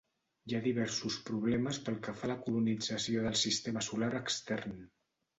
Hi ha diversos problemes pel que fa a la colonització del Sistema Solar Extern.